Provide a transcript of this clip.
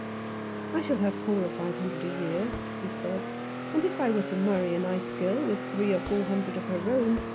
'* I shall have four or five hundred a year," he said. '" and if I were to mam* a nice girl with three or four hundred of her own.